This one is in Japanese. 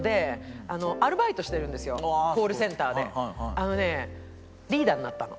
あのねリーダーになったの。